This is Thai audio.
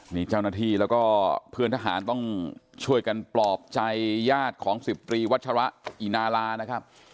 นี่เจ้าหน้าที่แล้วก็เพื่อนทหารต้องช่วยกันปลอบใจญาติของ๑๐ตรีวัชระอีนาลานะครับ